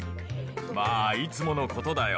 まあ、いつものことだよ。